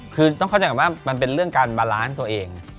คือต้องเข้าใจก่อนว่ามันเป็นเรื่องการบาลานซ์ตัวเอง